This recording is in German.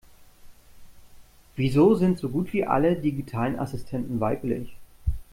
Wieso sind so gut wie alle digitalen Assistenten weiblich?